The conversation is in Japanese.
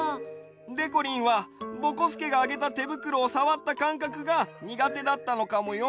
でこりんはぼこすけがあげたてぶくろをさわったかんかくがにがてだったのかもよ。